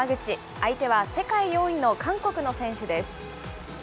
相手は世界４位の韓国の選手です。